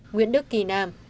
nguyễn đức kỳ nam